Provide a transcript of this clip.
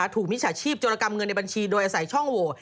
มิจฉาชีพจรกรรมเงินในบัญชีโดยอาศัยช่องโหว